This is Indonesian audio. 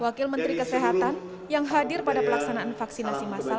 wakil menteri kesehatan yang hadir pada pelaksanaan vaksinasi masal